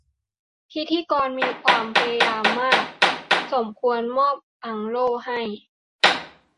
พิธีกรมีความพยายามมาก สมควรมอบอังโล่ให้